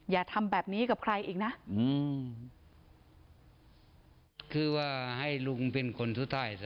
อย่าทำแบบนี้กับใครอีกนะ